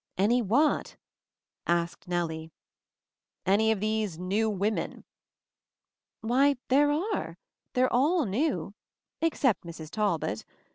'Any what?" asked Nellie. 'Any of these — New Women?" "Why, there are. They're all new, ex cept Mrs. Talbot.